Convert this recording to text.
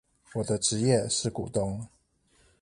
我的職業是股東